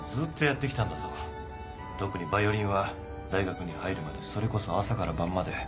特にバイオリンは大学に入るまでそれこそ朝から晩まで。